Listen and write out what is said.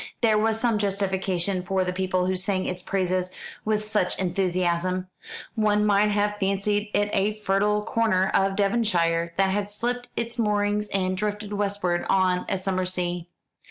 There was some justification for the people who sang its praises with such enthusiasm. One might have fancied it a fertile corner of Devonshire that had slipped its moorings and drifted westward on a summer sea.